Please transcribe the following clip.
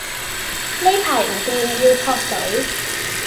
呢排唔掂要撲水